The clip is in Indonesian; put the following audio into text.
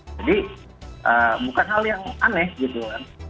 jadi bukan hal yang aneh gitu kan